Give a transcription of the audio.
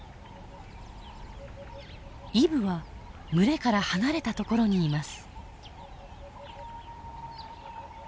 イブは群れから離れた所にいます。